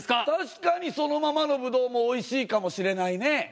確かにそのままのぶどうもおいしいかもしれないね。